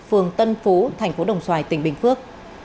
phường tân phú thành phố đồng xoài tỉnh bình phước